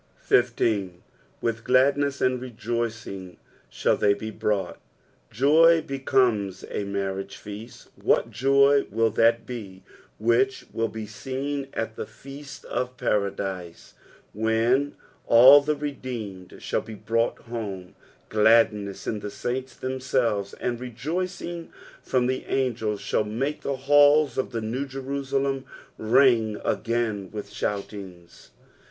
19. '' With gladnea and rejoiring iJiall they be brought." Joy becomes a marriags feast. What joy will that be which will bo seen at the feasts of paradise when all the redeemed shall be brought homel Gladness in the snints ihemselvea, and rejoicing from the angels shall make the lialls of the New Jerusalem ring again with shoutings.